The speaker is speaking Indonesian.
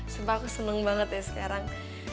sebab aku seneng banget ya sekarang